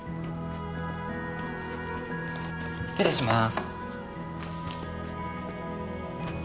失礼します。